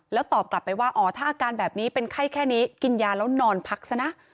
แล้วตอบกลับไปว่าอ๋อถ้าอาการแบบนี้เป็นไข้แค่นี้กินยาแล้วนอนพักซะนะ